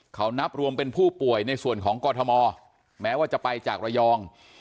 เขานับรวมเป็นผู้ป่วยในส่วนของกรทมแม้ว่าจะไปจากระยอง